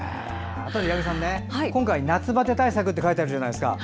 八木さん、今回夏バテ対策って書いてあるじゃないですか。